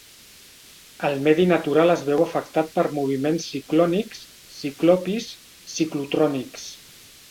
El medi natural es veu afectat per moviments ciclònics, ciclopis, ciclotrònics.